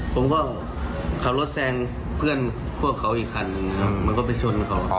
พรุ่งว่าขับรถแซงเพื่อนเคราะห์เขาอีกฝัน